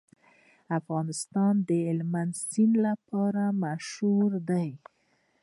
افغانستان د هلمند سیند لپاره مشهور دی.